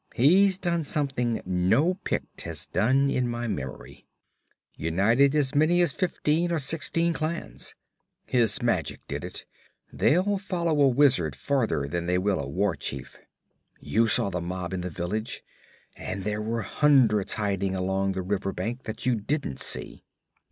He's done something no Pict has done in my memory united as many as fifteen or sixteen clans. His magic did it; they'll follow a wizard farther than they will a war chief. You saw the mob in the village; and there were hundreds hiding along the river bank that you didn't see.